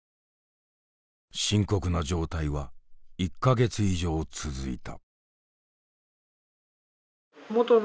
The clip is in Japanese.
深刻な状態は１か月以上続いた。